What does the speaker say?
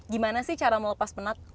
gimana sih cara melepas penat